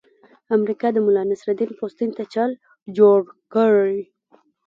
امریکا د ملانصرالدین پوستین ته چل جوړ کړی.